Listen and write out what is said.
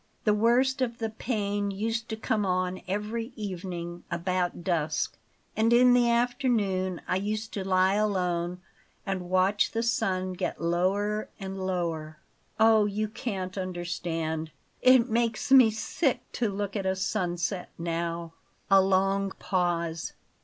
The worst of the pain used to come on every evening, about dusk; and in the afternoon I used to lie alone, and watch the sun get lower and lower Oh, you can't understand! It makes me sick to look at a sunset now!" A long pause.